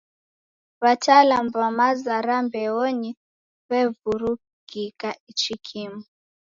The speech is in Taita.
W'atalamu w'a maza ra mbeonyi w'evurughika ichi kimu.